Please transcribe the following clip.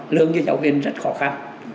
lương cho cháu viên rất khó khăn